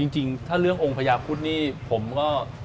จริงถ้าเรื่ององค์พญาพุทธนี่ผมก็